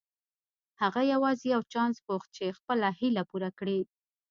هغه يوازې يو چانس غوښت چې خپله هيله پوره کړي.